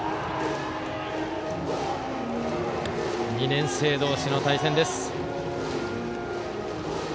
２年生同士の対戦です。